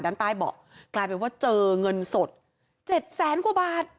ด้านใต้เบาะกลายเป็นว่าเจอเงินสด๗แสนกว่าบาท